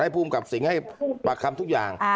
ภูมิกับสิงห์ให้ปากคำทุกอย่าง